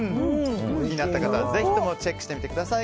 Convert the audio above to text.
気になった方はぜひともチェックしてみてください。